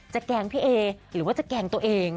แกล้งพี่เอหรือว่าจะแกล้งตัวเอง